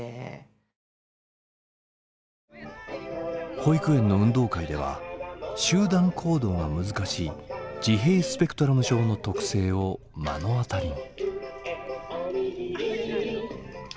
保育園の運動会では集団行動が難しい自閉スペクトラム症の特性を目の当たりに。